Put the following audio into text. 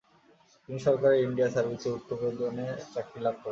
তিনি সরকারের ইন্ডিয়া সার্ভিসে উচ্চ বেতনে চাকরি লাভ করেন।